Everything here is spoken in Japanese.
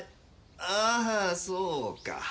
ああそうか。